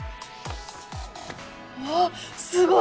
わぁすごい！